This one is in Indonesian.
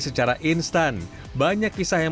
secara instan banyak kisah yang